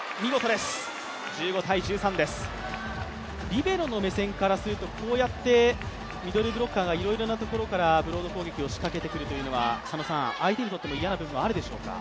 リベロの目線からすると、こうやってミドルブロッカーがいろいろなところからしかけてくるのは相手にとっても嫌な部分あるでしょうか？